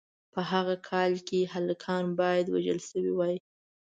په هغه کال کې هلکان باید وژل شوي وای.